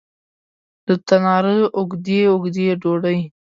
د تناره اوږدې، اوږدې ډوډۍ